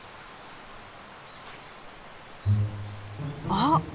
あっ！